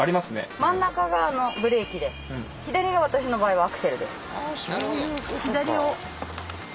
真ん中がブレーキで左が私の場合はアクセルです。